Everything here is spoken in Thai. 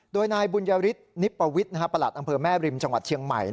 โดยนายบุญยฤทธินิปวิทย์ประหลัดอำเภอแม่ริมจังหวัดเชียงใหม่